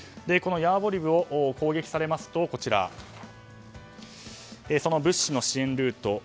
このヤーヴォリウを攻撃されますとその物資の支援ルート